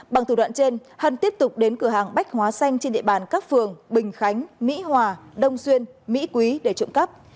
bằng thủ đoạn trên hân tiếp tục đến cửa hàng bách hóa xanh trên địa bàn các phường bình khánh mỹ hòa đông xuyên mỹ quý để trộm cắp